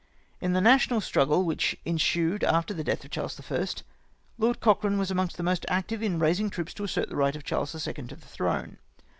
* In the national struo oie which ensued after the death of Charles I. Lord Cochrane was amongst the most active in raising troops to assert the right of Charles II. to the throne.